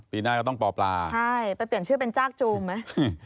ปีหน้าก็ต้องปอปลาใช่ไปเปลี่ยนชื่อเป็นจากจูมไหม